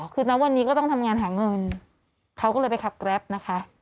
คือณวันนี้ก็ต้องทำงานหาเงินเขาก็เลยไปขับแกรปนะคะ